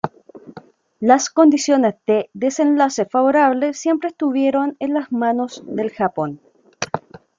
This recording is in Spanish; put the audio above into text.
Las condiciones de desenlace favorable siempre estuvieron en las manos del Japón.